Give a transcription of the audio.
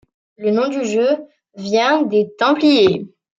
Le nom du jeu vient des Templiers.